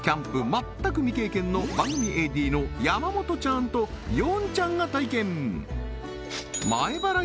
全く未経験の番組ＡＤの山本ちゃんとヨンちゃんが体験！